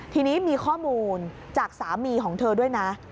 ทีนี้มีข้อมูลจากสามีของเธอด้วยนะ